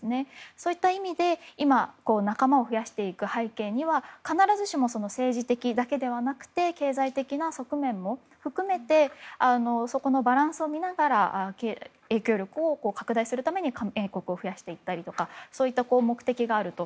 そういった意味で今、仲間を増やしていく背景には必ずしも政治的だけではなくて経済的な側面も含めてそこのバランスを見ながら影響力を拡大するために加盟国を増やしていったりとそういった目的があると。